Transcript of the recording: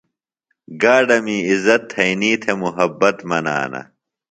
گاڈہ می عزت تھئینی تھےۡ محبت منانہ۔